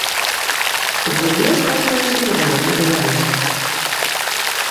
Гульня скончылася перамогай беларусаў.